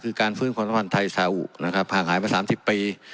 คือการฟื้นทางสมันไทยสาอุห่างหายมา๓๐ปี